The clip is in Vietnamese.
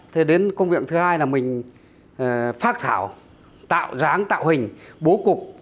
thế đến công việc thứ hai là mình phát thảo tạo dáng tạo hình bố cục